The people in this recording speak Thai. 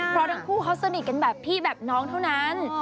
เพราะทั้งคู่เขาสนิทกันแบบพี่แบบน้องเท่านั้น